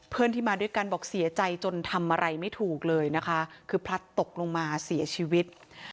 เพื่อนที่มาด้วยกันบอกเสียใจจนทำอะไรไม่ถูกเลยนะคะคือพลัดตกลงมาเสียชีวิต